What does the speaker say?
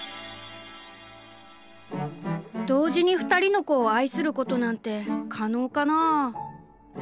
「同時に２人の子を愛することなんて可能かなあ」。